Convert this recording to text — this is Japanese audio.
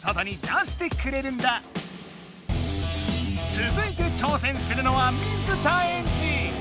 つづいて挑戦するのは水田エンジ！